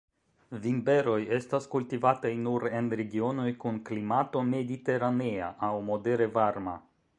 Vinberoj estas kultivataj nur en regionoj kun klimato mediteranea aŭ modere varma.